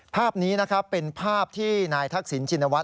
ภาพนี้เป็นภาพที่นายทักษิณชินวัตต์